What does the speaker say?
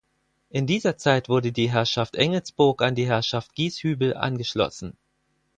In dieser Zeit wurde die Herrschaft Engelsburg an die Herrschaft Gießhübel angeschlossen.